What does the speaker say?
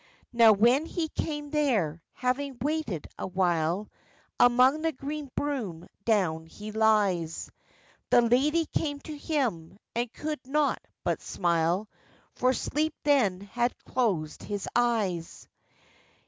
Now when he came there, having waited a while, Among the green broom down he lies; The lady came to him, and could not but smile, For sleep then had closèd his eyes.